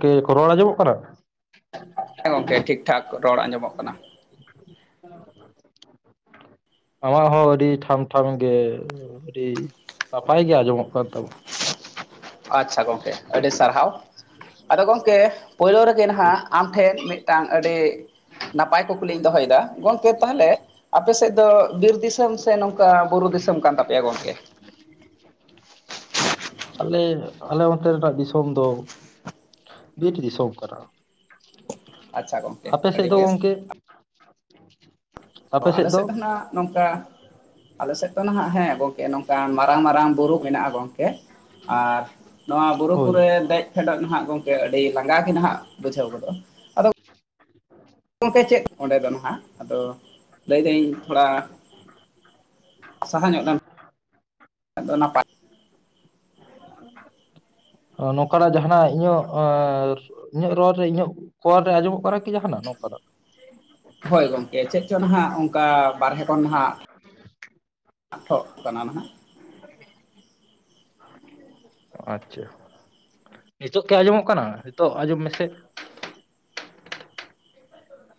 ᱠᱤ ᱠᱚ ᱨᱚᱲ ᱟᱸᱡᱚᱢᱚᱜ ᱠᱟᱱᱟ ᱦᱮᱸ ᱜᱚᱝᱠᱮ ᱴᱷᱤᱠ-ᱴᱷᱟᱠ ᱨᱚᱲ ᱟᱸᱡᱚᱢᱚᱜ ᱠᱟᱱᱟ ᱟᱢᱟᱜ ᱦᱚᱸ ᱟᱹᱰᱤ ᱴᱷᱟᱢ ᱴᱷᱟᱢ ᱜᱮ ᱟᱹᱰᱤ ᱱᱟᱯᱟᱭ ᱜᱮ ᱟᱸᱡᱚᱢᱚᱜ ᱠᱟᱱ ᱛᱟᱢᱟ ᱟᱪᱪᱷᱟ ᱜᱚᱝᱠᱮ ᱟᱹᱰᱤ ᱥᱟᱨᱦᱟᱣ ᱟᱫᱚ ᱜᱚᱝᱠᱮ ᱯᱳᱭᱞᱳ ᱨᱮᱜᱮ ᱱᱟᱜ ᱟᱢ ᱴᱷᱮᱱ ᱢᱤᱫᱴᱟᱝ ᱟᱹᱰᱤ ᱱᱟᱯᱟᱭ [inaudible] ᱠᱩᱠᱞᱤᱧ ᱫᱚᱦᱚᱭᱮᱫᱟ ᱜᱚᱝᱠᱮ ᱛᱟᱸᱦᱚᱞᱮ ᱟᱯᱮᱥᱮᱫ ᱫᱚ, ᱵᱤᱨ ᱫᱤᱥᱚᱢ ᱥᱮ ᱱᱚᱝᱠᱟ ᱵᱩᱨᱩ ᱫᱤᱥᱚᱢ ᱠᱟᱱ ᱛᱟᱯᱮᱭᱟ ᱜᱚᱝᱠᱮ, ᱟᱞᱮ ᱟᱞᱮ ᱚᱱᱛᱮ ᱨᱮᱱᱟᱜ ᱫᱤᱥᱚᱢ ᱫᱚ, ᱵᱤᱨ ᱫᱤᱥᱚᱢ ᱠᱟᱱᱟ ᱟᱪᱪᱷᱟ ᱜᱚᱝᱠᱮ ᱟᱯᱮ ᱥᱮᱫ ᱟᱹᱰᱤ ᱫᱚ ᱵᱮᱥ ᱜᱚᱢᱠᱮ [unintelligible] ᱛᱚ ᱟᱞᱮ ᱥᱮᱫ ᱦᱚᱱᱟᱜ ᱱᱚᱝᱠᱟ, ᱟᱞᱮ ᱥᱮᱫ ᱫᱚ ᱱᱟᱦᱟᱜ ᱦᱮᱸ ᱜᱚᱢᱠᱮ ᱱᱚᱝᱠᱟᱱ ᱢᱟᱨᱟᱝ ᱢᱟᱨᱟᱝ ᱵᱩᱨᱩ ᱢᱮᱱᱟᱜᱼᱟ ᱜᱚᱝᱠᱮ, ᱟᱨ ᱱᱚᱣᱟ ᱵᱩᱨᱩ ᱦᱳᱭ ᱠᱚᱨᱮ ᱫᱮᱡᱽ, ᱯᱷᱮᱰᱚᱜ ᱱᱟᱜ ᱜᱚᱝᱠᱮ ᱟᱹᱰᱤ ᱞᱟᱸᱜᱟ ᱜᱮ ᱱᱟᱦᱟᱜ ᱵᱩᱡᱷᱟᱹᱣ ᱜᱚᱫᱚᱜᱼᱟ᱾ ᱜᱚᱢᱠᱮ ᱪᱮᱫ ᱚᱸᱰᱮ ᱫᱚ ᱱᱟᱦᱟᱜ ᱟᱫᱚ ᱞᱟᱹᱭᱫᱟᱹᱧ ᱛᱷᱚᱲᱟ, ᱥᱟᱦᱟ ᱧᱚᱜ ᱞᱮᱱ ᱟᱫᱚ ᱱᱟᱯᱟᱭ, ᱱᱚᱝᱠᱟᱱᱟᱜ ᱡᱟᱸᱦᱟᱱᱟᱜ ᱤᱧᱟᱹᱜ, ᱤᱧᱟᱹᱜ ᱨᱚᱲ ᱨᱮ ᱤᱧᱟᱹᱜ ᱠᱚᱞ ᱨᱮ ᱟᱸᱡᱚᱢᱚᱜ ᱠᱟᱱᱟ ᱠᱤ ᱡᱟᱸᱦᱟᱱᱟᱜ ᱱᱚᱝᱠᱟᱱᱟᱜ, ᱦᱳᱭ ᱜᱚᱝᱠᱮ ᱪᱮᱫ ᱪᱚᱝ ᱱᱟᱦᱟᱜ ᱚᱱᱠᱟ ᱵᱟᱨᱦᱮ ᱠᱷᱚᱱ ᱦᱟᱜ, ᱟᱴᱷᱚᱜ ᱠᱟᱱᱟ ᱱᱟᱜ, ᱟᱪᱪᱷᱟ, ᱱᱤᱛᱚᱜ ᱠᱤ ᱟᱸᱡᱚᱢᱚᱜ ᱠᱟᱱᱟ, ᱱᱤᱛᱚᱜ ᱟᱸᱡᱚᱢ ᱢᱮᱥᱮ,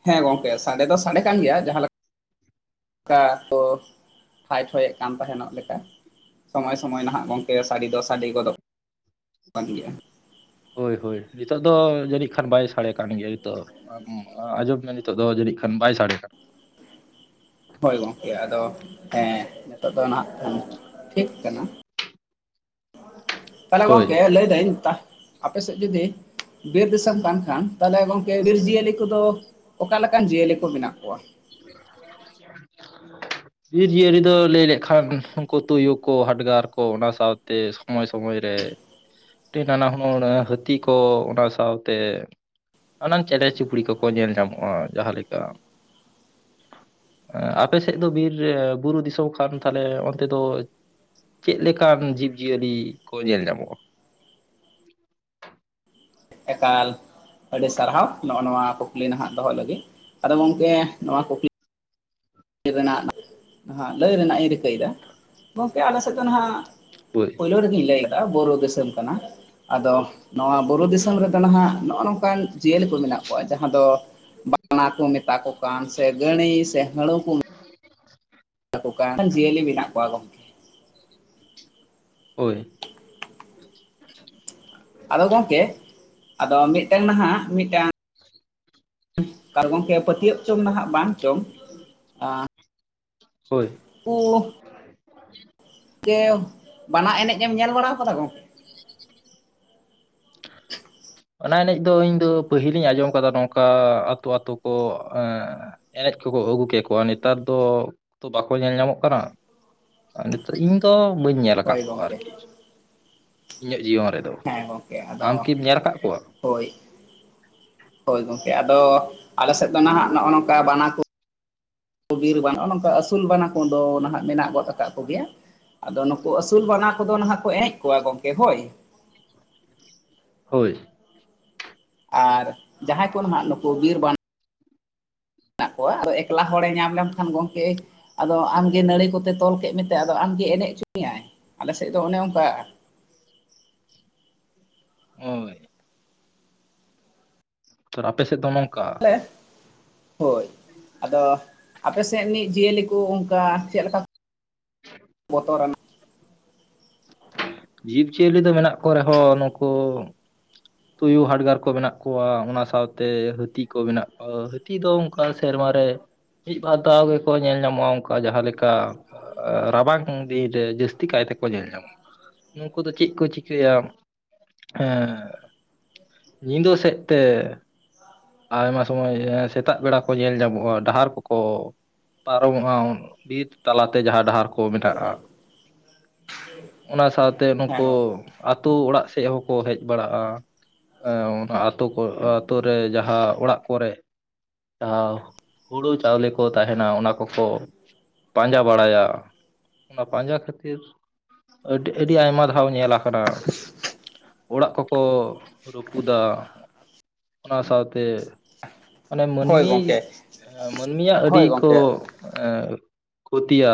ᱦᱮᱸ ᱜᱚᱝᱠᱮ ᱥᱟᱰᱮ ᱫᱚ ᱥᱟᱰᱮ ᱠᱟᱱ ᱜᱮᱭᱟ ᱡᱟᱸᱦᱟ ᱞᱮᱠᱟ, ᱚᱱᱠᱟ ᱠᱚ ᱯᱷᱟᱭ ᱯᱷᱚᱭᱮ ᱠᱟᱱ ᱛᱟᱸᱦᱮᱱᱚᱜ ᱞᱮᱠᱟ ᱥᱚᱢᱚᱭ ᱥᱚᱢᱚᱭ ᱱᱟᱦᱟᱜ ᱜᱚᱝᱠᱮ, ᱥᱟᱲᱮ ᱫᱚ ᱥᱟᱲᱮ ᱜᱚᱫᱚᱜ ᱠᱟᱱ ᱜᱮᱭᱟ, ᱦᱳᱭ ᱦᱳᱭ ᱱᱤᱛᱚᱜ ᱫᱚ ᱡᱟᱹᱱᱤᱡ ᱠᱷᱟᱱ ᱵᱟᱭ ᱥᱟᱰᱮ ᱠᱟᱱ ᱜᱮᱭᱟ ᱱᱤᱛᱚᱜ, ᱟᱢ ᱟᱸᱡᱚᱢ ᱢᱮ ᱱᱤᱛᱚᱜ ᱫᱚ ᱡᱟᱹᱱᱤᱡ ᱠᱷᱟᱱ ᱵᱟᱭ ᱥᱟᱰᱮ ᱠᱟᱱ᱾ ᱦᱳᱭ ᱜᱚᱝᱠᱮ ᱟᱫᱚ ᱦᱮᱸ ᱱᱤᱛᱚᱜ ᱫᱚ ᱱᱟᱦᱟᱜ ᱴᱷᱤᱠ ᱠᱟᱱᱟ᱾ ᱛᱟᱸᱦᱚᱞᱮ ᱦᱳᱭ ᱜᱚᱝᱠᱮ ᱞᱟᱹᱭᱫᱟᱹᱧ ᱟᱯᱮ ᱥᱮᱫ ᱡᱩᱫᱤ, ᱵᱤᱨ ᱫᱤᱥᱚᱢ ᱠᱟᱱ ᱠᱷᱟᱱ ᱛᱟᱸᱦᱞᱮ ᱜᱚᱝᱠᱮ ᱵᱤᱨ ᱡᱤᱭᱟᱹᱞᱤ ᱠᱚᱫᱚ, ᱚᱠᱟ ᱞᱮᱠᱟᱱ ᱡᱤᱭᱟᱹᱞᱤ ᱠᱚ ᱢᱮᱱᱟᱜ ᱠᱚᱣᱟ, [unintelligible] ᱵᱤᱨᱡᱤᱭᱟᱹᱞᱤ ᱫᱚ ᱞᱟᱹᱭ ᱞᱮᱠᱷᱟᱱ ᱩᱱᱠᱩ ᱛᱩᱭᱩ ᱠᱚ ᱦᱟᱰᱜᱟᱨ ᱠᱚ ᱚᱱᱟ ᱥᱟᱶᱛᱮ, ᱥᱚᱢᱚᱭ ᱥᱚᱢᱚᱭ ᱨᱮ ᱟᱹᱰᱤ ᱱᱟᱱᱟ ᱦᱩᱱᱟᱹᱨ ᱦᱟᱹᱛᱤ ᱠᱚ ᱚᱱᱟ ᱥᱟᱶᱛᱮ, ᱱᱟᱱᱟᱝ ᱪᱮᱬᱮ ᱪᱩᱯᱲᱤ ᱠᱚᱠᱚ ᱧᱮᱞ ᱧᱟᱢᱚᱜᱼᱟ ᱡᱟᱸᱦᱟ ᱞᱮᱠᱟ, ᱟᱯᱮ ᱥᱮᱫ ᱫᱚ ᱵᱤᱨ ᱵᱩᱨᱩ ᱫᱤᱥᱚᱢ ᱠᱷᱟᱱ ᱛᱟᱸᱦᱞᱮ ᱚᱱᱛᱮ ᱫᱚ, ᱪᱮᱫ ᱞᱮᱠᱟᱱ ᱡᱤᱵᱽ ᱡᱤᱭᱟᱹᱞᱤ ᱠᱚ ᱧᱮᱞ ᱧᱟᱢᱚᱜᱼᱟ ᱮᱠᱟᱞ ᱟᱹᱰᱤ ᱥᱟᱨᱦᱟᱣ ᱱᱚᱜᱼᱚᱭ ᱱᱚᱣᱟ ᱠᱩᱠᱞᱤ ᱱᱟᱦᱟᱜ ᱫᱚᱦᱚ ᱞᱟᱹᱜᱤᱫ ᱟᱫᱚ ᱜᱚᱝᱠᱮ ᱱᱚᱣᱟ ᱠᱩᱠᱞᱤ, ᱞᱟᱹᱭ ᱨᱮᱱᱟᱜ ᱞᱟᱹᱭ ᱨᱮᱱᱟᱜ ᱤᱧ ᱨᱤᱠᱟᱹᱭᱮᱫᱟ, ᱜᱚᱢᱠᱮ ᱟᱞᱮ ᱥᱮᱫ ᱫᱚ ᱱᱟᱦᱟᱜ, ᱦᱳᱭ ᱯᱳᱭᱞᱳ ᱨᱮᱜᱮᱧ ᱞᱟᱹᱭ ᱞᱮᱫᱟ ᱵᱩᱨᱩ ᱫᱤᱥᱚᱢ ᱠᱟᱱᱟ ᱟᱫᱚ ᱱᱚᱣᱟ ᱵᱩᱨᱩ ᱫᱤᱥᱚᱢ ᱨᱮᱫᱚ ᱱᱟᱦᱟᱜ ᱱᱚᱜᱼᱚᱭ ᱱᱚᱝᱠᱟ, ᱚᱱᱠᱟᱱ ᱡᱤᱭᱟᱹᱞᱤ ᱠᱚ ᱢᱮᱱᱟᱜ ᱠᱚᱣᱟ ᱡᱟᱸᱦᱟ ᱫᱚ ᱵᱟᱱᱟ ᱠᱚ ᱢᱮᱛᱟ ᱠᱚ, ᱥᱮ ᱜᱟᱹᱲᱤ ᱥᱮ ᱦᱟᱹᱲᱩ ᱠᱚ ᱢᱮᱛᱟ ᱠᱚ ᱠᱟᱱ ᱚᱱᱠᱟᱱ ᱡᱤᱭᱟᱹᱞᱤ ᱢᱮᱱᱟᱜ ᱠᱚᱣᱟ ᱜᱚᱢᱠᱮ, ᱦᱳᱭ ᱟᱫᱚ ᱜᱚᱢᱠᱮ ᱟᱫᱚ ᱢᱤᱫᱴᱟᱱ ᱱᱟᱦᱟᱜ ᱢᱤᱫᱴᱟᱱ, ᱟᱨ ᱜᱚᱢᱠᱮ ᱯᱟᱹᱛᱭᱟᱹᱵ ᱪᱚᱝ ᱱᱟᱦᱟᱜ ᱵᱟᱝ ᱪᱚᱝ, ᱦᱳᱭ ᱳᱸᱻ [inaudible] ᱵᱟᱱᱟ ᱮᱱᱮᱡ ᱮᱢ ᱧᱮᱞ ᱵᱟᱲᱟ ᱟᱠᱟᱫᱟ ᱜᱚᱢᱠᱮ, [inaudible] ᱚᱱᱟ ᱮᱱᱮᱡ ᱫᱚ ᱤᱧ ᱫᱚ ᱯᱟᱹᱦᱤᱞᱤᱧ ᱟᱸᱡᱚᱢ ᱠᱟᱫᱟ ᱱᱚᱝᱠᱟ ᱟᱹᱛᱩ ᱟᱹᱛᱩ ᱠᱚ, ᱮᱱᱮᱡ ᱠᱚᱠᱚ ᱟᱹᱜᱩ ᱠᱮᱠᱚᱣᱟ ᱱᱮᱛᱟᱨ ᱫᱚ ᱛᱚ ᱵᱟᱠᱚ ᱧᱮᱞ ᱧᱟᱢᱚᱜ ᱠᱟᱱᱟ᱾ ᱤᱧ ᱫᱚ ᱵᱟᱹᱧ ᱧᱮᱞ ᱟᱠᱟᱫ ᱦᱳᱭ ᱠᱚᱣᱟ ᱜᱚᱝᱠᱮ ᱟᱨᱠᱤ ᱤᱧᱟᱹᱜ ᱡᱤᱭᱚᱱ ᱨᱮᱫᱚ, ᱦᱮᱸ ᱜᱚᱢᱠᱮ ᱟᱢᱠᱤᱢ ᱧᱮᱞ ᱟᱠᱟᱫ ᱠᱚᱣᱟ ᱦᱳᱭ ᱦᱳᱭ ᱜᱚᱢᱠᱮ ᱟᱫᱚ ᱟᱞᱮ ᱥᱮᱫ ᱫᱚ ᱱᱟᱦᱟᱜ ᱱᱚᱜᱼᱚ ᱱᱚᱝᱠᱟ ᱵᱟᱱᱟ ᱠᱚ ᱵᱤᱨ ᱵᱟᱱ ᱱᱚ ᱱᱚᱝᱠᱟ ᱟᱹᱥᱩᱞ ᱵᱟᱱᱟ ᱠᱚᱫᱚ ᱱᱟᱦᱟᱜ ᱢᱮᱱᱟᱜ ᱜᱚᱫ ᱟᱠᱟᱫ ᱠᱚᱜᱮᱭᱟ ᱟᱫᱚ ᱱᱩᱠᱩ ᱟᱹᱥᱩᱞ ᱵᱟᱱᱟ ᱠᱚᱫᱚ ᱱᱟᱦᱟᱜ ᱠᱚ ᱮᱱᱮᱡ ᱠᱚᱣᱟ ᱜᱚᱝᱠᱮ ᱦᱳᱭ ᱦᱳᱭ ᱟᱨ ᱡᱟᱦᱟᱸᱭ ᱠᱚ ᱦᱟᱸᱜ ᱱᱩᱠᱩ ᱵᱤᱨ ᱵᱟᱱᱟ ᱢᱮᱱᱟᱜ ᱠᱚᱣᱟ ᱟᱫᱚ ᱮᱠᱞᱟ ᱦᱚᱲᱮ ᱧᱟᱢ ᱞᱮᱢᱠᱷᱟᱱ ᱜᱚᱝᱠᱮ ᱟᱫᱚ ᱟᱢᱜᱮ ᱱᱟᱹᱲᱤ ᱠᱚᱛᱮ ᱛᱚᱞ ᱠᱮᱫ ᱢᱮᱛᱮ ᱟᱫᱚ ᱟᱢᱜᱮ ᱮᱱᱮᱡ ᱦᱚᱪᱚ ᱢᱮᱭᱟᱭ ᱟᱞᱮᱥᱮᱫ ᱫᱚ ᱚᱱᱮ ᱚᱱᱠᱟ, ᱦᱳᱭ ᱟᱯᱮ ᱥᱮᱫ ᱫᱚ ᱱᱚᱝᱠᱟ ᱦᱳᱭ ᱟᱫᱚ ᱟᱯᱮ ᱥᱮᱫ ᱨᱮᱱᱤᱡ ᱡᱤᱭᱟᱹᱞᱤ ᱠᱚ ᱚᱱᱠᱟ ᱪᱮᱫᱞᱮᱠᱟ ᱵᱚᱛᱚᱨᱟ ᱱᱟᱜ ᱡᱤᱵᱽ ᱡᱤᱭᱟᱹᱞᱤ ᱫᱚ ᱢᱮᱱᱟᱜ ᱠᱚ ᱨᱮᱦᱚᱸ ᱱᱩᱠᱩ ᱛᱩᱭᱩ ᱦᱟᱰᱜᱟᱨ ᱠᱚ ᱢᱮᱱᱟᱜ ᱠᱚᱣᱟ ᱚᱱᱟ ᱥᱟᱶᱛᱮ ᱦᱟᱹᱛᱤ ᱠᱚ ᱢᱮᱱᱟᱜ ᱠᱚᱣᱟ ᱦᱟᱹᱛᱤ ᱫᱚ ᱚᱱᱠᱟ ᱥᱮᱨᱢᱟ ᱨᱮ ᱢᱤᱫ ᱵᱟᱨ ᱫᱷᱟᱣ ᱜᱮᱠᱚ ᱧᱮᱞ ᱧᱟᱢᱚᱜᱼᱟ ᱚᱱᱠᱟ ᱡᱟᱦᱟᱸ ᱞᱮᱠᱟ ᱨᱟᱵᱟᱝ ᱫᱤᱱ ᱨᱮ ᱡᱟᱹᱥᱛᱤ ᱠᱟᱭ ᱛᱮᱠᱚ ᱧᱮᱞ ᱧᱟᱢᱚᱜ ᱟ ᱱᱩᱠᱩ ᱫᱚ ᱪᱮᱫ ᱠᱚ ᱪᱤᱠᱟᱹᱭᱟ ᱮᱸ ᱧᱤᱫᱟᱹ ᱥᱮᱫ ᱛᱮ ᱟᱭᱢᱟ ᱥᱚᱢᱚᱭ ᱥᱮᱛᱟᱜ ᱵᱮᱲᱟ ᱠᱚ ᱧᱮᱞ ᱧᱟᱢᱚᱜᱼᱟ ᱰᱟᱦᱟᱨ ᱠᱚᱠᱚ ᱯᱟᱨᱚᱢᱚᱜᱼᱟ ᱵᱤᱨ ᱛᱟᱞᱟᱛᱮ ᱡᱟᱦᱟᱸ ᱰᱟᱦᱟᱨ ᱠᱚ ᱢᱮᱱᱟᱜᱼᱟ ᱚᱱᱟ ᱥᱟᱶᱛᱮ ᱦᱮᱸ ᱱᱩᱠᱩ ᱜᱚᱝᱠᱮ ᱟᱛᱳ ᱚᱲᱟᱜ ᱥᱮᱫ ᱦᱚᱸᱠᱚ ᱦᱮᱡ ᱵᱟᱲᱟᱜᱼᱟ ᱦᱮᱸ ᱚᱱᱟ ᱟᱹᱛᱳ ᱠᱚ ᱟᱛᱳ ᱨᱮ ᱡᱟᱦᱟᱸ ᱚᱲᱟᱜ ᱠᱚᱨᱮ [unintelligible] ᱦᱩᱲᱩ ᱪᱟᱣᱞᱮ ᱠᱚ ᱛᱟᱦᱮᱱᱟ ᱚᱱᱟ ᱠᱚᱠᱚ ᱯᱟᱸᱡᱟ ᱵᱟᱲᱟᱭᱟ ᱚᱱᱟ ᱯᱟᱸᱡᱟ ᱠᱷᱟᱹᱛᱤᱨ ᱟᱹᱰᱤ ᱟᱹᱰᱤ ᱟᱭᱢᱟ ᱫᱷᱟᱣ ᱧᱮᱞ ᱟᱠᱟᱱᱟ ᱚᱲᱟᱜ ᱠᱚᱠᱚ ᱨᱩᱯᱩᱫᱟ ᱚᱱᱟ ᱥᱟᱶᱛᱮ ᱢᱟᱱᱮ ᱦᱳᱭ ᱢᱟᱹᱱᱢᱤ ᱜᱚᱝᱠᱮ ᱢᱟᱹᱱᱢᱤᱭᱟᱜ ᱟᱹᱰᱤ ᱦᱳᱭ ᱠᱚ ᱜᱚᱢᱠᱮ ᱠᱷᱚᱛᱤᱭᱟ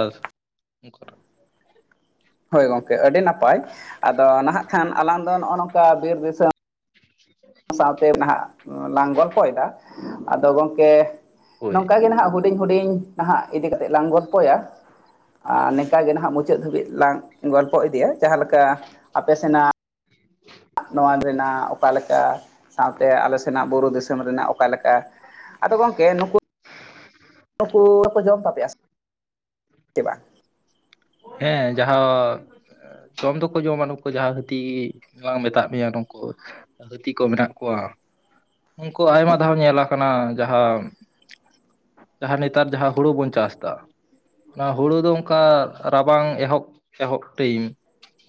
ᱦᱳᱭ ᱜᱚᱝᱠᱮ ᱟᱹᱰᱤ ᱱᱟᱯᱟᱭ ᱟᱫᱚ ᱱᱟᱦᱟᱜ ᱠᱷᱟᱱ ᱟᱞᱟᱝ ᱫᱚ ᱱᱚᱜᱼᱚ ᱱᱚᱝᱠᱟ ᱵᱤᱨ ᱫᱤᱥᱚᱢ ᱥᱟᱶᱛᱮ ᱱᱟᱦᱟᱜ ᱞᱟᱝ ᱜᱚᱞᱯᱷᱚᱭᱮᱫᱟ ᱟᱫᱚ ᱜᱚᱢᱠᱮ ᱦᱳᱭ ᱱᱚᱝᱠᱟ ᱜᱮ ᱱᱟᱦᱟᱜ ᱦᱩᱰᱤᱧ ᱦᱩᱰᱤᱧ ᱱᱟᱦᱟᱜ ᱤᱫᱤ ᱠᱟᱛᱮ ᱞᱟᱝ ᱜᱚᱞᱯᱚᱭᱟ ᱟᱨ ᱱᱤᱝᱠᱟᱜ ᱜᱮ ᱱᱟᱦᱟᱜ ᱢᱩᱪᱟᱹᱫ ᱫᱷᱟᱹᱵᱤᱡ ᱞᱟᱝ ᱜᱚᱞᱯᱚ ᱤᱫᱤᱭᱟ ᱡᱟᱦᱟᱸ ᱞᱮᱠᱟ ᱟᱯᱮ ᱥᱮᱱᱟᱜ [inaudible] ᱱᱚᱣᱟ ᱨᱮᱱᱟᱜ ᱚᱠᱟᱞᱮᱠᱟ ᱥᱟᱶᱛᱮ ᱟᱞᱮ ᱥᱮᱱᱟᱜ ᱵᱩᱨᱩ ᱫᱤᱥᱚᱢ ᱨᱮᱱᱟᱜ ᱚᱠᱟ ᱚᱠᱟ ᱞᱮᱠᱟ ᱟᱫᱚ ᱜᱚᱢᱠᱮ ᱱᱩᱠᱩ ᱱᱩᱠᱩᱠᱚ ᱡᱚᱢ ᱛᱟᱯᱮᱭᱟ ᱥᱮ ᱵᱟᱝ ᱦᱮᱸ ᱡᱟᱦᱟᱸ ᱡᱚᱢ ᱫᱚᱠᱚ ᱡᱚᱢᱟ ᱱᱩᱠᱩ ᱡᱟᱦᱟᱸ ᱦᱟᱹᱛᱤ ᱵᱟᱝ ᱢᱮᱛᱟᱫ ᱢᱮᱭᱟ ᱱᱩᱠᱩ ᱦᱟᱹᱛᱤ ᱠᱚ ᱢᱮᱱᱟᱜ ᱠᱚᱣᱟ ᱩᱱᱠᱩ ᱟᱭᱢᱟ ᱫᱷᱟᱣ ᱧᱮᱞ ᱟᱠᱟᱱᱟ ᱡᱟᱦᱟᱸ ᱡᱟᱦᱟᱸ ᱱᱮᱛᱟᱨ ᱡᱟᱦᱟᱸ ᱦᱩᱲᱩ ᱵᱚᱱ ᱪᱟᱥ ᱮᱫᱟ ᱚᱱᱟ ᱦᱩᱲᱩ ᱫᱚ ᱚᱱᱠᱟ ᱨᱟᱵᱟᱝ ᱮᱦᱚᱵ ᱮᱦᱚᱵ ᱴᱟᱭᱤᱢ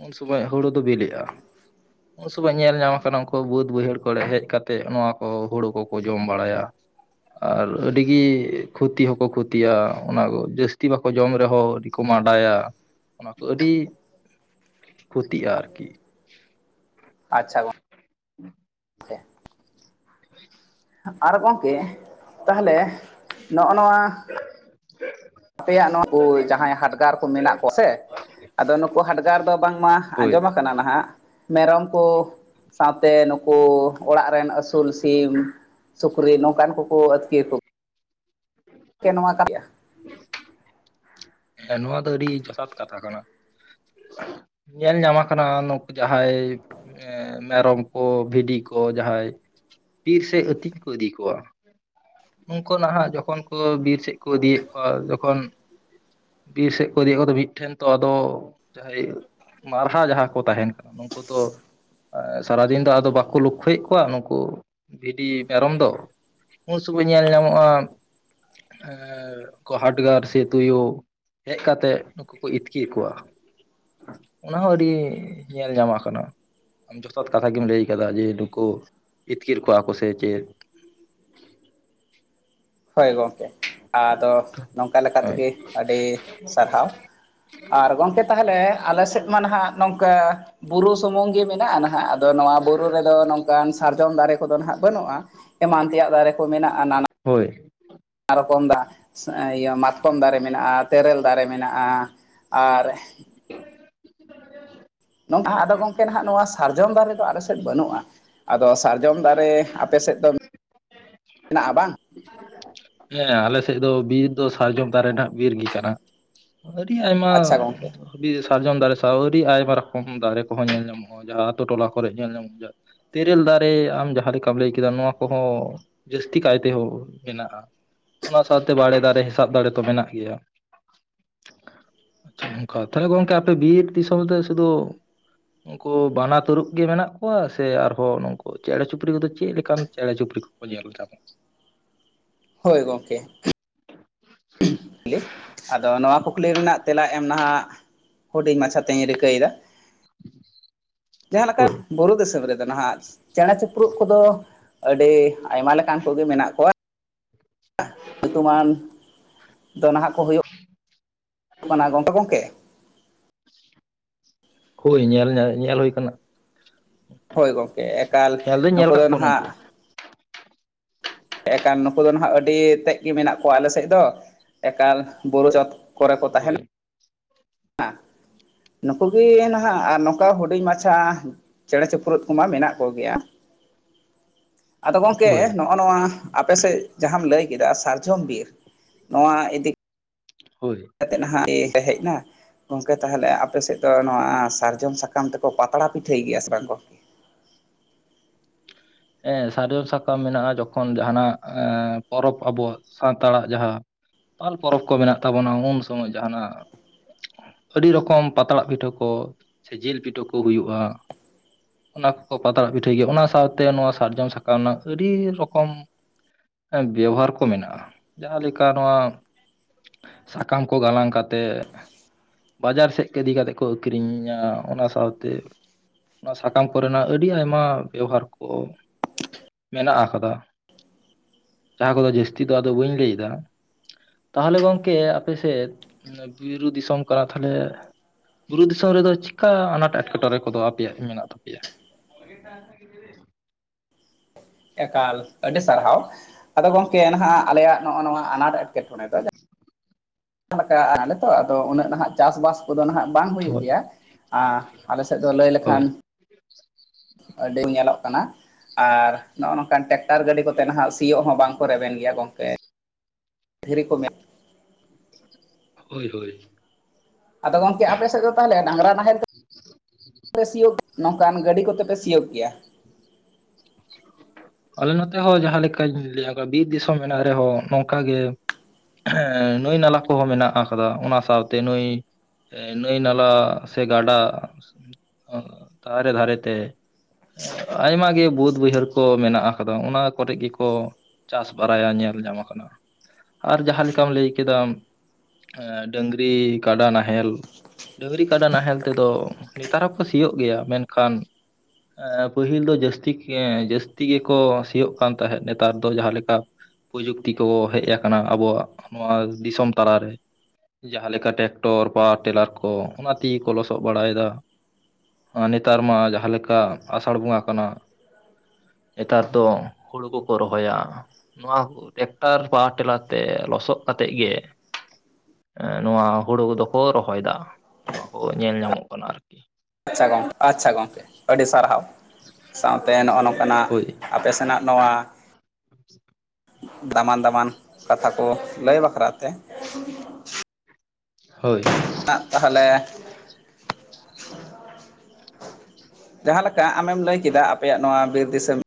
ᱩᱱ ᱥᱚᱢᱚᱭ ᱦᱩᱲᱩ ᱫᱚ ᱵᱤᱞᱤᱜᱼᱟ᱾ ᱩᱱ ᱥᱚᱢᱚᱭ ᱧᱮᱞ ᱧᱟᱢ ᱟᱠᱟᱱᱟ ᱩᱱᱠᱩ ᱵᱟᱹᱫᱽ ᱵᱟᱹᱭᱦᱟᱹᱲ ᱠᱚᱨᱮ ᱦᱮᱡ ᱠᱟᱛᱮᱫ ᱱᱚᱣᱟ ᱠᱚ ᱦᱩᱲᱩ ᱠᱚᱠᱚ ᱡᱚᱢ ᱵᱟᱲᱟᱭᱟ᱾ ᱟᱨ ᱟᱹᱰᱤᱜᱮ ᱠᱷᱚᱛᱤ ᱦᱚᱸᱠᱚ ᱠᱷᱚᱛᱤᱭᱟ ᱚᱱᱟ ᱠᱚ ᱡᱟᱹᱥᱛᱤ ᱵᱟᱠᱚ ᱡᱚᱢ ᱨᱮᱦᱚᱸ ᱟᱹᱰᱤ ᱠᱚ ᱢᱟ ᱭᱟ ᱚᱱᱟ ᱠᱚ ᱟᱹᱰᱤ ᱠᱷᱚᱛᱤᱜᱼᱟ ᱟᱨᱠᱤ ᱟᱪᱪᱷᱟ ᱜᱚ ᱟᱨ ᱜᱚᱝᱠᱮ ᱛᱟᱦᱚᱞᱮ ᱱᱚᱜᱼᱚ ᱱᱚᱣᱟ ᱦ [unintelligible] ᱟᱯᱮᱭᱟᱜ ᱱᱩᱠᱩ ᱡᱟᱦᱟᱸᱭ ᱦᱟᱰᱜᱟᱨ ᱠᱚ ᱢᱮᱱᱟᱜ ᱠᱚ ᱥᱮ ᱟᱫᱚ ᱱᱩᱠᱩ ᱦᱟᱰᱜᱟᱨ ᱫᱚ ᱵᱟᱝᱢᱟ ᱦᱳᱭ ᱟᱸᱡᱚᱢ ᱠᱟᱱᱟ ᱱᱟᱦᱟᱜ ᱢᱮᱨᱚᱢ ᱠᱚ ᱥᱟᱶᱛᱮ ᱱᱩᱠᱩ ᱚᱲᱟᱜ ᱨᱮᱱ ᱟᱹᱥᱩᱞ ᱥᱤᱢ ᱾ ᱥᱩᱠᱨᱤ ᱱᱚᱝᱠᱟᱱ ᱠᱚᱠᱚ ᱟᱹᱛᱠᱤᱨ ᱠᱚ ᱾ [unintelligible] [unintelligible] ᱦᱮᱸ ᱱᱚᱣᱟ ᱫᱚ ᱟᱹᱰᱤ ᱡᱚᱛᱷᱟᱛ ᱠᱟᱛᱷᱟ ᱠᱟᱱᱟ ᱾ ᱧᱮᱞ ᱧᱟᱢᱟ ᱠᱟᱱᱟ ᱱᱩᱠᱩ ᱡᱟᱦᱟᱸᱭ ᱢᱮᱨᱚᱢ ᱠᱚ ᱵᱷᱤᱰᱤ ᱠᱚ ᱡᱟᱸᱦᱟᱸᱭ ᱵᱤᱨ ᱥᱮᱡ ᱟᱹᱛᱤᱧ ᱠᱚ ᱤᱫᱤ ᱠᱚᱣᱟ ᱾ ᱩᱱᱠᱩ ᱱᱟᱦᱟᱜ ᱡᱚᱠᱷᱚᱱ ᱠᱚ ᱵᱤᱨ ᱥᱮᱫ ᱠᱚ ᱤᱫᱤᱭᱮᱫ ᱠᱚᱣᱟ ᱡᱚᱠᱷᱚᱱ ᱵᱤᱨ ᱥᱮᱫ ᱠᱚ ᱤᱫᱤᱭ ᱠᱚ ᱢᱤᱫᱴᱷᱮᱱ ᱛᱚ ᱟᱫᱚ ᱡᱟᱦᱟᱸᱭ ᱢᱟᱨᱦᱟ ᱡᱟᱸᱦᱟ ᱠᱚ ᱛᱟᱦᱮᱱ ᱠᱟᱱᱟ ᱱᱩᱠᱩ ᱫᱚ ᱥᱟᱨᱟᱫᱤᱱ ᱫᱚ ᱟᱫᱚ ᱵᱟᱠᱚ ᱞᱚᱠᱷᱚᱭᱮᱫ ᱠᱚᱣᱟ ᱱᱩᱠᱩ ᱵᱷᱤᱰᱤ ᱢᱮᱨᱚᱢ ᱫᱚ ᱾ ᱩᱱ ᱥᱚᱢᱚᱭ ᱧᱮᱞ ᱧᱟᱢᱚᱜᱼᱟ, ᱠᱚ ᱦᱟᱰᱜᱟᱨ ᱥᱮ ᱛᱩᱭᱩ ᱦᱮᱡ ᱠᱟᱛᱮᱜ ᱱᱠᱩ ᱠᱚ, ᱤᱛᱠᱤᱨ ᱠᱚᱣᱟ ᱾ ᱚᱱᱟ ᱦᱚᱸ ᱟᱹᱰᱤ ᱧᱮᱞ ᱧᱟᱢᱚ ᱠᱟᱱᱟ ᱾ ᱟᱢ ᱡᱚᱛᱷᱟᱛ ᱠᱟᱛᱷᱟ ᱜᱮᱢ ᱞᱟᱹᱭ ᱠᱟᱫᱟ ᱾ ᱡᱮ ᱱᱩᱠᱩ ᱤᱛᱠᱤᱨ ᱠᱚᱣᱟ ᱠᱚ ᱥᱮ ᱪᱮᱫ, ᱦᱳᱭ ᱜᱚᱢᱠᱮ ᱟᱫᱚ, ᱱᱚᱝᱠᱟ ᱞᱮᱠᱟ ᱦᱳᱭ ᱛᱮᱜᱮ ᱟᱹᱰᱤ ᱥᱟᱨᱦᱟᱣ ᱾ ᱟᱨ ᱜᱚᱢᱠᱮ ᱛᱟᱦᱟᱞᱮ ᱟᱞᱮ ᱥᱮᱫ ᱢᱟ ᱱᱟᱦᱟᱜ ᱱᱚᱝᱠᱟ ᱵᱩᱨᱩ ᱥᱩᱢᱩᱝ ᱜᱮ ᱢᱮᱱᱟᱜᱼᱟ ᱾ ᱱᱟᱦᱟᱜ ᱟᱫᱚ ᱱᱚᱣᱟ ᱵᱩᱨᱩ ᱨᱮᱫᱚ, ᱱᱚᱝᱠᱟᱱ ᱥᱟᱨᱡᱚᱢ ᱫᱟᱨᱮ ᱠᱚᱫᱚ ᱱᱟᱦᱟᱜ ᱵᱟᱹᱱᱩᱜᱼᱟ ᱾ ᱮᱢᱟᱱ ᱛᱮᱭᱟᱜ ᱫᱟᱨᱮ ᱠᱚ ᱢᱮᱱᱟᱜᱼᱟ ᱱᱟᱱᱟ ᱦᱳᱭ ᱟᱭᱢᱟ ᱨᱚᱠᱚᱢ ᱫᱟᱜ, ᱤᱭᱟᱹ ᱢᱟᱛᱠᱚᱢ ᱫᱟᱨᱮ ᱢᱮᱱᱟᱜᱼᱟ ᱛᱮᱨᱮᱞ ᱫᱟᱨᱮ ᱢᱮᱱᱟᱜᱼᱟ ᱟᱨ [inaudible] ᱱᱚᱝ ᱟᱫᱚ ᱜᱚᱢᱠᱮ ᱦᱟᱜ ᱱᱚᱣᱟ ᱥᱟᱨᱡᱚᱢ ᱫᱟᱨᱮ ᱫᱚ ᱟᱞᱮ ᱥᱮᱫ ᱵᱟᱹᱱᱩᱜᱼᱟ ᱾ ᱟᱫᱚ ᱥᱟᱨᱡᱚᱢ ᱫᱟᱨᱮ ᱟᱯᱮ ᱥᱮᱫ ᱫᱚ ᱢᱮᱱᱟᱜᱼᱟ ᱵᱟᱝ? ᱦᱮᱸ ᱟᱞᱮ ᱥᱮᱫ ᱫᱚ, ᱵᱤᱨ ᱫᱚ ᱥᱟᱨᱡᱚᱢ ᱫᱟᱨᱮ ᱨᱮᱱᱟᱜ ᱵᱤᱨ ᱜᱮ ᱠᱟᱱᱟ ᱾ ᱟᱹᱰᱤ ᱟᱭᱢᱟ ᱟᱪᱪᱷᱟ ᱜᱚᱝᱠᱮ ᱥᱟᱨᱡᱚᱢ ᱫᱟᱨᱮ ᱥᱟᱶ ᱟᱹᱰᱤ ᱟᱭᱢᱟ ᱨᱚᱠᱚᱢ ᱫᱟᱨᱮ ᱠᱚᱦᱚᱸ ᱧᱮᱞ ᱧᱟᱢᱚᱜᱼᱟ ᱾ ᱡᱟᱦᱟᱸ ᱟᱛᱳ ᱴᱚᱞᱟ ᱠᱚᱨᱮ ᱧᱮᱞ ᱧᱟᱢᱚᱜᱼᱟ ᱾ ᱛᱮᱨᱮᱞ ᱫᱟᱨᱮ ᱟᱢ ᱡᱟᱦᱟᱸ ᱞᱮᱠᱟᱢ ᱞᱟᱹᱭ ᱠᱮᱫᱟ ᱱᱚᱣᱟ ᱠᱚᱦᱚᱸ ᱡᱟᱹᱥᱛᱤ ᱠᱟᱭᱛᱮ ᱢᱮᱱᱟᱜᱼᱟ, ᱚᱱᱟ ᱥᱟᱶᱛᱮ ᱵᱟᱲᱮ ᱫᱟᱨᱮ, ᱥᱟᱵ ᱫᱟᱲᱮ ᱫᱚ ᱢᱮᱱᱟᱜ ᱜᱮᱭᱟ ᱾ [unintelligible] ᱛᱷᱟᱨᱮ ᱜᱚᱝᱠᱮ ᱟᱯᱮ ᱵᱤᱨᱫᱤᱥᱚᱢ ᱫᱚ ᱥᱩᱫᱩ, ᱩᱱᱠᱩ ᱵᱟᱱᱟᱨ ᱛᱟᱹᱨᱩᱵ ᱜᱮ ᱢᱮᱱᱟᱜ ᱠᱚᱣᱟ, ᱥᱮ ᱟᱨᱦᱚᱸ ᱱᱩᱠᱩ ᱪᱮᱬᱮ ᱪᱩᱯᱲᱤ ᱠᱚᱫᱚ ᱪᱮᱫᱞ ᱞᱮᱠᱟᱱ ᱪᱮᱬᱮ ᱪᱩᱯᱲᱤ ᱠᱚ? ᱧᱮᱞ [unintelligible] ᱦᱳᱭ ᱜᱚᱢᱠᱮ ᱟᱫᱚ ᱱᱚᱣᱟ ᱠᱩᱠᱞᱤ ᱨᱮᱱᱟᱜ ᱛᱮᱞᱟ ᱮᱢ, ᱱᱟᱦᱟᱜ ᱦᱩᱰᱤᱧ ᱢᱟᱪᱷᱟ ᱛᱮᱧ ᱨᱤᱠᱟᱹᱭᱫᱟ ᱾ ᱡᱟᱸᱦᱟ ᱞᱮᱠᱟ ᱦᱳᱭ ᱵᱩᱨᱩ ᱫᱤᱥᱚᱢ ᱨᱮᱫᱚ, ᱱᱟᱦᱟᱜ ᱪᱮᱬᱮ ᱪᱤᱯᱨᱩᱫ ᱠᱚᱫᱚ ᱟᱹᱰᱤ ᱟᱭᱢᱟ ᱞᱮᱠᱟᱱ ᱠᱚᱜᱮ ᱢᱮᱱᱟᱜ ᱠᱚᱣᱟ ᱾ ᱧᱩᱛᱩᱢᱟᱱ ᱫᱚ ᱱᱟᱦᱟᱜ ᱠᱚ ᱦᱩᱭᱩᱜ ᱠᱟᱱᱟ, ᱜᱚᱢᱠᱮ ᱜᱚᱢᱠᱮ ᱦᱳᱭ ᱧᱮᱞ ᱧᱮᱞ ᱦᱩᱭ ᱠᱟᱱᱟ ᱾ ᱦᱳᱭ ᱜᱚᱝᱠᱮ ᱮᱠᱟᱞ ᱧᱮᱞ ᱫᱚᱧ ᱧᱮᱞ ᱱᱩᱠᱩ ᱫᱚ ᱠᱟᱜ ᱠᱚᱣᱟ ᱱᱟᱦᱟᱜ ᱱᱩᱝᱠᱩ ᱮᱠᱟᱞ ᱱᱩᱠᱩ ᱫᱚ ᱱᱟᱦᱟᱜ ᱟᱹᱰᱤ ᱛᱮᱫ ᱜᱮ ᱢᱮᱱᱟᱜ ᱠᱚᱣᱟ ᱾ ᱟᱞᱮ ᱥᱮᱫ ᱫᱚ ᱮᱠᱟᱞ ᱵᱩᱨᱩ ᱪᱚᱴ ᱠᱚᱨᱮ ᱠᱚ ᱛᱟᱦᱮᱱᱟ ᱦᱳᱭ ᱱᱩᱠᱩ ᱜᱮ ᱱᱟᱦᱟᱜ, ᱟᱨ ᱱᱚᱝᱠᱟ ᱦᱩᱰᱤᱧ ᱢᱟᱪᱷᱟ ᱪᱮᱬᱮ ᱪᱤᱯᱨᱩᱫ ᱠᱚᱢᱟ ᱢᱮᱱᱟᱜ ᱠᱚᱜᱮᱭᱟ ᱾ ᱟᱫᱚ ᱜᱚᱢᱠᱮ ᱦᱳᱭ ᱱᱚᱜᱼᱚ ᱱᱚᱣᱟ, ᱟᱯᱮᱥᱮᱫ ᱡᱟᱦᱟᱸᱢ ᱞᱟᱹᱭ ᱠᱮᱫᱟ ᱥᱟᱨᱡᱚᱢ ᱵᱤᱨ ᱱᱚᱣᱟ ᱤᱫᱤ ᱦᱳᱭ ᱠᱟᱛᱮᱫ [unintelligible] ᱦᱮᱡ ᱱᱟ ᱜᱚᱝᱠᱮ ᱛᱟᱦᱟᱞᱮ ᱟᱯᱮᱥᱮᱜ ᱫᱚ ᱱᱚᱣᱟ ᱥᱟᱨᱡᱚᱢ ᱥᱟᱠᱟᱢ ᱛᱮᱠᱚ ᱯᱟᱛᱲᱟ ᱯᱤᱴᱷᱟᱹᱭ ᱜᱤᱭᱟ ᱥᱮ ᱵᱟᱝ ᱜᱚᱝᱠᱮ? ᱮᱸ ᱥᱟᱨᱚᱢ ᱥᱟᱠᱟᱢ ᱢᱮᱱᱟᱜᱼᱟ ᱡᱚᱠᱷᱚᱱ ᱡᱟᱦᱟᱱᱟᱜ ᱮ ᱯᱚᱨᱚᱵᱽ ᱟᱵᱚᱣᱟᱜ ᱥᱟᱱᱛᱟᱲᱟᱜ ᱡᱟᱦᱟᱸ ᱯᱟᱞ ᱯᱚᱨᱚᱵᱽ ᱠᱚ ᱢᱮᱱᱟᱜ ᱛᱟᱵᱚᱱᱟ ᱩᱱ ᱥᱳᱢᱳᱭ ᱡᱟᱦᱟᱱᱟᱜ ᱟᱹᱰᱤ ᱨᱚᱠᱚᱢ ᱯᱟᱛᱲᱟᱜ ᱯᱤᱴᱷᱟᱹ ᱠᱚ ᱥᱮ ᱡᱤᱞ ᱯᱤᱴᱷᱟᱹ ᱠᱚ ᱦᱩᱭᱩᱜᱼᱟ ᱾ ᱚᱱᱟ ᱠᱚᱠᱚ ᱯᱟᱛᱲᱟ ᱯᱤᱴᱷᱟᱹᱭ ᱜᱮᱭᱟ ᱚᱱᱟ ᱥᱟᱶᱛᱮ ᱱᱚᱣᱟ ᱥᱟᱨᱡᱚᱢ ᱥᱟᱠᱟᱢ ᱨᱮᱱᱟᱜ ᱟᱹᱰᱤ ᱨᱚᱠᱚᱢ ᱵᱮᱣᱦᱟᱨ ᱠᱚ ᱢᱮᱱᱟᱜᱼᱟ, ᱡᱟᱦᱟᱸ ᱞᱮᱠᱟ ᱱᱚᱣᱟ ᱥᱟᱠᱟᱢ ᱠᱚ ᱜᱟᱞᱟᱝ ᱠᱟᱛᱮᱜ ᱵᱟᱡᱟᱨ ᱥᱮᱜ ᱤᱫᱤ ᱠᱟᱛᱮᱜ ᱠᱚ ᱟᱹᱠᱷᱨᱤᱧᱟ ᱚᱱᱟ ᱥᱟᱶᱛᱮ ᱚᱱᱟ ᱥᱟᱠᱟᱢ ᱠᱚᱨᱮᱱᱟᱜ ᱟᱹᱰᱤ ᱟᱭᱢᱟ ᱵᱮᱣᱦᱟᱨ ᱠᱚ ᱠᱚ ᱢᱮᱱᱟᱜ ᱟᱠᱟᱫᱟ ᱾ ᱡᱟᱸᱦᱟ ᱠᱚᱫᱚ ᱡᱟᱹᱥᱛᱤ ᱫᱚ, ᱟᱫᱚ ᱵᱟᱹᱧ ᱞᱟᱹᱭᱫᱟ ᱾ ᱛᱟᱦᱚᱞᱮ ᱜᱚᱝᱠᱮ ᱟᱯᱮ ᱥᱮᱫ [unintelligible] ᱵᱩᱨᱩ ᱫᱤᱥᱚᱢ ᱠᱟᱱᱟ ᱛᱟᱦᱚᱞᱮ ᱵᱩᱨᱩ ᱫᱤᱥᱚᱢ ᱨᱮᱫᱚ ᱪᱮᱠᱟ ᱟᱱᱟᱴ ᱮᱴᱠᱮᱴᱚᱬᱮ ᱠᱚᱫᱚ ᱟᱯᱮᱭᱟᱜ ᱢᱮᱱᱟᱜ ᱛᱟᱯᱮᱭᱟ? [inaudible] ᱮᱠᱟᱞ ᱟᱹᱰᱤ ᱥᱟᱨᱦᱟᱣ ᱟᱫᱚ ᱜᱚᱝᱠᱮ ᱱᱟᱦᱟᱜ ᱟᱞᱮᱭᱟᱜ ᱱᱚᱜᱼᱚ ᱱᱚᱣᱟ ᱟᱱᱟᱴ ᱮᱴᱠᱮᱴᱚᱬᱮ ᱫᱚ ᱡᱟ ᱡᱟᱦᱟᱸ ᱞᱮᱠᱟ ᱟᱞᱮ ᱛᱚ ᱟᱫᱚ ᱩᱱᱟᱹᱜ ᱱᱟᱦᱟᱜ ᱪᱟᱥᱵᱟᱥ ᱠᱚᱫᱚ ᱱᱟᱦᱟᱜ ᱵᱟᱝ ᱦᱩᱭᱩᱜ ᱦᱳᱭ ᱜᱮᱭᱟ ᱟ ᱟᱞᱮᱥᱮᱫ ᱫᱚ ᱞᱟᱹᱭ ᱦᱳᱭ ᱞᱮᱠᱷᱟᱱ ᱟᱹᱰᱤᱢ ᱧᱮᱞᱚᱜ ᱠᱟᱱᱟ ᱟᱨ ᱱᱚᱜᱼᱚ ᱱᱚᱝᱠᱟᱱ ᱴᱮᱠ ᱴᱟᱨ ᱜᱟᱹᱰᱤ ᱠᱚᱛᱮ ᱱᱟᱦᱟᱜ ᱥᱤᱭᱚᱜ ᱦᱚᱸ ᱵᱟᱝ ᱠᱚ ᱨᱮᱵᱮᱱ ᱜᱮᱭᱟ ᱜᱚᱝᱠᱮ ᱫᱷᱤᱨᱤ ᱠᱚ ᱢᱮ ᱦᱳᱭ ᱦᱳᱭ ᱾ ᱟᱫᱚ ᱜᱚᱝᱠᱮ ᱟᱯᱮ ᱥᱮᱫ ᱫᱚ ᱛᱟᱦᱟᱞᱮ ᱰᱟᱝᱨᱟ ᱱᱟᱦᱮᱞ ᱛᱮ ᱯᱮ ᱥᱤᱭᱳᱜ ᱱᱚᱝᱠᱟᱱ ᱜᱟᱹᱰᱤ ᱠᱚᱛᱮ ᱯᱮ ᱥᱤᱭᱳᱜ ᱜᱮᱭᱟ? ᱟᱞᱮ ᱱᱚᱛᱮ ᱦᱚᱸ ᱡᱟᱦᱟᱸ ᱞᱮᱠᱟᱧ ᱞᱟᱹᱭᱟ ᱟᱠᱟ ᱵᱤᱨ ᱫᱤᱥᱚᱢ ᱢᱮᱱᱟᱜ ᱨᱮᱦᱚᱸ ᱱᱚᱝᱠᱟ ᱜᱮ [unintelligible] ᱱᱟᱹᱭ ᱱᱟᱞᱟ ᱠᱚᱦᱚᱸ ᱢᱮᱱᱟᱜ ᱟᱠᱟᱫᱟ ᱚᱱᱟ ᱥᱟᱶᱛᱮ ᱱᱟᱹᱭ ᱱᱟᱹᱭ ᱱᱟᱞᱟ ᱥᱮ ᱜᱟᱰᱟ [unintelligible] ᱫᱷᱟᱨᱮ ᱫᱷᱟᱨᱮ ᱛᱮ ᱾ ᱟᱭᱢᱟ ᱜᱮ ᱵᱳᱫᱽ ᱵᱟᱹᱭᱦᱟᱹᱲ ᱠᱚ ᱢᱮᱱᱟᱜ ᱟᱠᱟᱫᱟ ᱚᱱᱟ ᱠᱚᱨᱮ ᱜᱮᱠᱚ ᱪᱟᱥ ᱵᱟᱨᱟᱭᱟ ᱧᱮᱞ ᱧᱟᱢ ᱟᱠᱟᱱᱟ ᱾ ᱟᱨ ᱡᱟᱦᱟᱸ ᱞᱮᱠᱟᱢ ᱞᱟᱹᱭ ᱠᱮᱫᱟ ᱮ ᱰᱟᱹᱝᱨᱤ, ᱠᱟᱰᱟ ᱱᱟᱦᱮᱞ ᱰᱟᱹᱝᱨᱤ, ᱠᱟᱰᱟ ᱱᱟᱦᱮᱞ ᱛᱮᱫᱚ ᱱᱮᱛᱟᱨ ᱦᱚᱸ ᱠᱚ ᱥᱤᱭᱳᱜ ᱜᱤᱭᱟ ᱢᱮᱱᱠᱷᱟᱱ ᱮ ᱯᱟᱹᱦᱤᱞ ᱫᱚ ᱡᱟᱹᱥᱛᱤ ᱠᱮ ᱡᱟᱹᱥ ᱛᱤ ᱜᱮᱠᱚ ᱥᱤᱭᱚᱜ ᱠᱟᱱ ᱛᱟᱦᱮᱸᱜ ᱱᱮᱛᱟᱨ ᱫᱚ ᱡᱟᱦᱟᱸ ᱞᱮᱠᱟ ᱯᱚᱡᱩᱠᱛᱤ ᱠᱚ ᱦᱮᱡ ᱟᱠᱟᱱᱟ ᱟᱵᱚᱣᱟᱜ ᱱᱚᱣᱟ ᱫᱤᱥᱚᱢ ᱛᱟᱞᱟᱨᱮ ᱡᱟᱦᱟᱸ ᱞᱮᱠᱟ ᱴᱮᱠᱴᱚᱨ, ᱯᱟᱣᱟᱨ ᱴᱮᱞᱟᱨ ᱠᱚ ᱚᱱᱟ ᱛᱮᱜᱮ ᱠᱚ ᱞᱚᱥᱚᱜ ᱵᱟᱲᱟᱭ ᱫᱟ ᱾ ᱟ ᱱᱮᱛᱟᱨ ᱢᱟ ᱡᱟᱦᱟᱸ ᱞᱮᱠᱟ ᱟᱥᱟᱲ ᱵᱚᱸᱜᱟ ᱠᱟᱱᱟ, ᱱᱮᱛᱟᱨ ᱫᱚ ᱦᱳᱲᱳ ᱠᱚᱠᱚ ᱨᱚᱦᱚᱭᱟ ᱾ ᱱᱚᱣᱟ ᱴᱮᱠᱴᱟᱨ ᱯᱟᱣᱟᱨ ᱴᱮᱞᱟᱨ ᱛᱮ ᱞᱚᱥᱚᱜ ᱠᱟᱛᱮᱜ ᱜᱮ ᱱᱚᱣᱟ ᱦᱳᱲᱳ ᱠᱚ ᱫᱚᱠᱚ ᱨᱚᱦᱚᱭ ᱫᱟ ᱱᱚᱣᱟ ᱠᱚ ᱧᱮᱞ ᱧᱟᱢᱚᱜ ᱠᱟᱱᱟ ᱟᱨᱠᱤ ᱾ ᱟᱪᱪᱷᱟ ᱜᱚᱝᱠᱮ ᱟᱪᱪᱷᱟ ᱜᱚᱢᱠᱮ ᱟᱹᱰᱤ ᱥᱟᱨᱦᱟᱣ ᱥᱟᱶᱛᱮ ᱱᱚᱜᱼᱚ ᱱᱚᱝᱠᱟᱱᱟᱜ ᱦᱳᱭ ᱟᱯᱮ ᱥᱮᱱᱟᱜ ᱱᱚᱣᱟ ᱫᱟᱢᱟᱱ ᱫᱟᱢᱟᱱ ᱠᱟᱛᱷᱟ ᱠᱚ ᱞᱟᱹᱭ ᱵᱟᱠᱷᱨᱟ ᱛᱮ ᱾ [unintelligible] ᱦᱳᱭ ᱟᱜ ᱛᱟᱦᱟᱞᱮ ᱡᱟᱦᱟᱸ ᱞᱮᱠᱟ ᱟᱢᱮᱢ ᱞᱟᱹᱭ ᱠᱮᱫᱟ ᱟᱯᱮᱭᱟᱜ ᱱᱚᱣᱟ ᱵᱤᱨ ᱫᱤᱥᱟᱹᱢ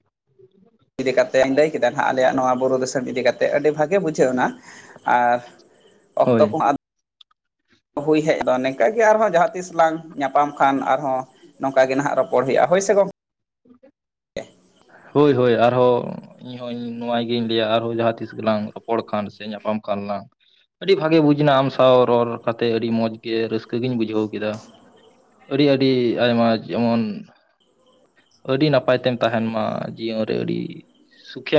ᱤᱫᱤ ᱠᱟᱛᱮᱜ ᱤᱧ ᱞᱟᱹᱭ ᱠᱮᱫᱟ ᱱᱟᱦᱟᱜ ᱟᱞᱮᱭᱟᱜ ᱱᱚᱣᱟ ᱵᱩᱨᱩ ᱫᱤᱥᱟᱹᱢ ᱤᱫᱤ ᱠᱟᱛᱮᱜ ᱟᱹᱰᱤ ᱵᱷᱟᱜᱮ ᱵᱩᱡᱷᱟᱹᱣ ᱱᱟ ᱾ ᱟᱨ ᱚᱠᱛᱚ ᱦᱳᱭ ᱠᱚᱦᱚ ᱟᱫ ᱦᱳᱭ ᱦᱮᱜ ᱫᱚ ᱱᱮᱝᱠᱟᱜ ᱜᱮ ᱟᱨᱦᱚᱸ ᱡᱟᱦᱟᱸ ᱛᱤᱥ ᱞᱟᱝ ᱧᱟᱯᱟᱢ ᱠᱷᱟᱱ ᱟᱨᱦᱚᱸ ᱱᱚᱝᱠᱟ ᱜᱮ ᱱᱟᱦᱟᱜ ᱨᱚᱯ ᱯᱚᱲ ᱦᱳᱭᱳᱜᱼᱟ ᱦᱳᱭ ᱥᱮ ᱜᱚᱝ [unintelligible] ᱦᱳᱭ ᱦᱳᱭ ᱟᱨᱦᱚᱸ ᱤᱧ ᱦᱚ ᱤᱧ ᱱᱚᱣᱟ ᱜᱤᱧ ᱞᱟᱹᱭᱟ ᱟᱨᱦᱚᱸ ᱡᱟᱦᱟᱸ ᱛᱤᱥ ᱜᱮᱞᱟᱝ ᱨᱚᱯᱚᱲ ᱠᱷᱟᱱ ᱥᱮ ᱧᱟᱯᱟᱢ ᱠᱷᱟᱱ ᱞᱟᱝ ᱟᱹᱰᱤ ᱵᱷᱟᱜᱮ ᱵᱩᱡᱽ ᱱᱟ ᱟᱢ ᱥᱟᱶ ᱨᱚᱲ ᱠᱟᱛᱮᱜ ᱟᱹᱰᱤ ᱢᱚᱸᱡᱽ ᱜᱮ ᱨᱟᱹᱥᱠᱟᱹᱜᱮᱧ ᱵᱩᱡᱷᱟᱹᱣ ᱠᱮᱫᱟ ᱾ ᱟᱹᱰᱤ ᱟᱹᱰᱤ ᱟᱭᱢᱟ ᱡᱮᱢᱚᱱ ᱟᱹᱰᱤ ᱱᱟᱯᱟᱭ ᱛᱮᱢ ᱛᱟᱦᱮᱱ ᱢᱟ ᱡᱤᱭᱚᱱ ᱨᱮ ᱟᱹᱰᱤ ᱥᱩᱠᱷᱮᱢ